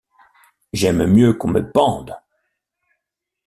J’aime mieux qu’on me pende !